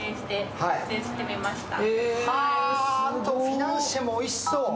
フィナンシェもおいしそう。